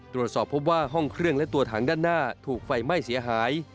ตรวจสอบพบว่าห้องเครื่องและตัวถังด้านหน้าถูกไฟไหม้เสียหาย